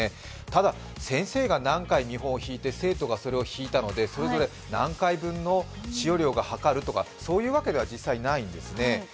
ただ、先生が何回見本を弾いて、生徒がそれを弾いたのでそれぞれ何回分の使用料がかかるとかそういうわけでは実際ないんですすね。